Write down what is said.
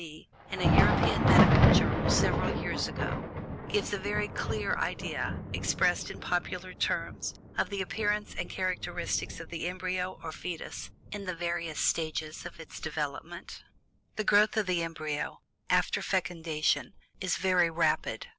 D., in a European medical journal several years ago, gives a very clear idea, expressed in popular terms, of the appearance and characteristics of the embryo or fetus in the various stages of its development: "The growth of the embryo after fecundation is very rapid.